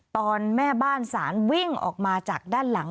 ตอนแม่บ้านศาลวิ่งออกมาจากด้านหลัง